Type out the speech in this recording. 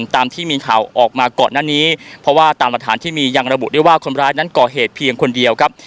ตามที่มีข่าวออกมาก่อนหน้านี้เพราะว่าตามหลักฐานที่มียังระบุได้ว่าคนร้ายนั้นก่อเหตุเพียงคนเดียวครับ